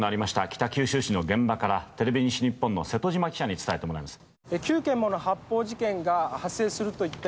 北九州市の現場からテレビ西日本の瀬戸島記者に伝えてもらいます。